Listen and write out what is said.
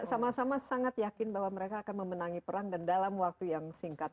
sama sama sangat yakin bahwa mereka akan memenangi perang dan dalam waktu yang singkat